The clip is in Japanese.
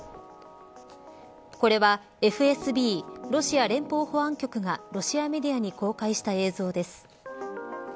これはＦＳＢロシア連邦保安局がロシアメディアに公開した映像です。